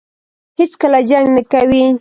هېڅکله جنګ نه کوي.